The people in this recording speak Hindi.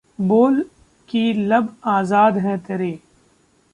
बोल कि लब आजाद हैं तेरे...